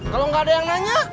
kalau nggak ada yang nanya